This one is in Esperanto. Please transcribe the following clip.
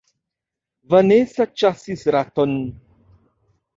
Vanesa ĉasis raton.